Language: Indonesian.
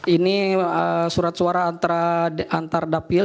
ini surat suara antara antar dapil